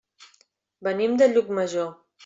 Venim de Llucmajor.